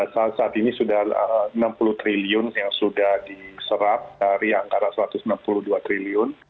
saat saat ini sudah enam puluh triliun yang sudah diserap dari angka rp satu ratus enam puluh dua triliun